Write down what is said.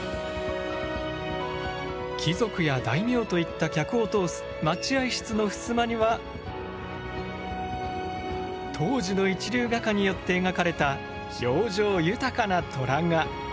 貴族や大名といった客を通す待合室のふすまには当時の一流画家によって描かれた表情豊かな虎が。